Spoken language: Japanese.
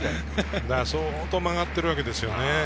相当、曲がってるわけですね。